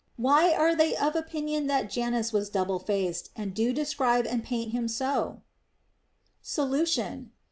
Why are they of opinion that Janus was double faced, and do describe and paint him so 1 Solution.